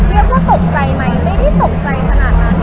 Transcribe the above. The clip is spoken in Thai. ว่าตกใจไหมไม่ได้ตกใจขนาดนั้น